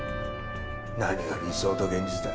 何が理想と現実だ。